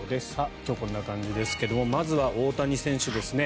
今日はこんな感じですけどもまずは大谷選手ですね。